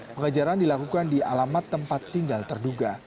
pengejaran dilakukan di alamat tempat tinggal terduga